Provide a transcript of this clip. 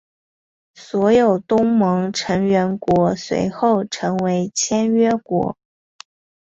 所有东盟成员国随后成为签约国。